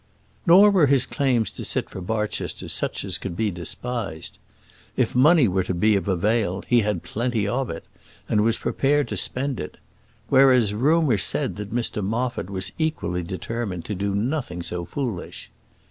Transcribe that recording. Nor were his claims to sit for Barchester such as could be despised. If money were to be of avail, he had plenty of it, and was prepared to spend it; whereas, rumour said that Mr Moffat was equally determined to do nothing so foolish.